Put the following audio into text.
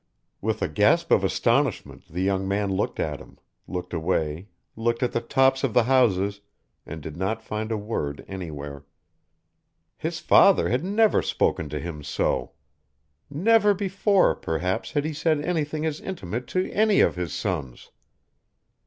With a gasp of astonishment the young man looked at him, looked away, looked at the tops of the houses, and did not find a word anywhere. His father had never spoken to him so; never before, perhaps, had he said anything as intimate to any of his sons.